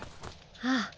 ああ。